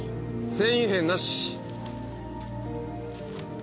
繊維片なし。